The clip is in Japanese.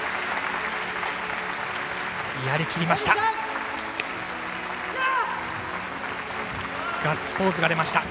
やりきりました。